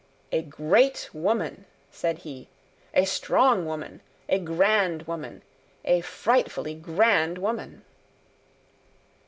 "A great woman," said he, "a strong woman, a grand woman, a frightfully grand woman!"